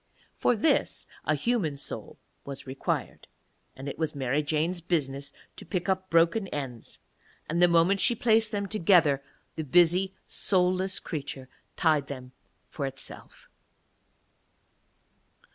For this a human soul was required, and it was Mary Jane's business to pick up broken ends; and the moment she placed them together the busy soulless creature tied them for itself.